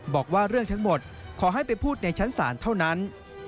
บอกว่าเรื่องทั้งหมดขอให้ไปพูดในชั้นศาลเท่านั้น